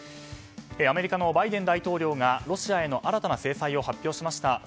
アメリカのバイデン大統領がロシアへの新たな制裁を発表しました。